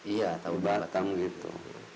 iya tau di batam gitu